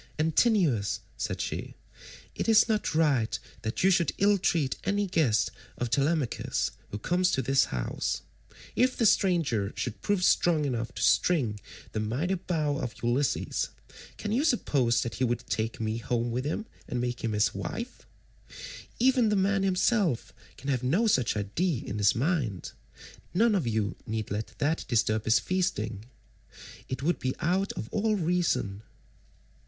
"Antinous," said she, "it is not right that you should ill treat any guest of Telemachus who comes to this house. If the stranger should prove strong enough to string the mighty bow of Ulysses, can you suppose that he would take me home with him and make me his wife? Even the man himself can have no such idea in his mind: none of you need let that disturb his feasting; it would be out of all reason."